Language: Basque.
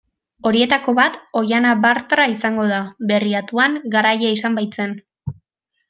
Horietako bat Oihana Bartra izango da, Berriatuan garaile izan baitzen.